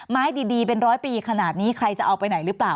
ไม้ดีเป็นร้อยปีขนาดนี้ใครจะเอาไปไหนหรือเปล่า